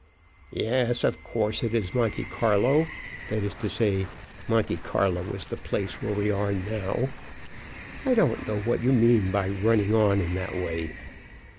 "Yes; of course it is Monte Carlo. That is to say, Monte Carlo is the place where we are now. I don't know what you mean by running on in that way."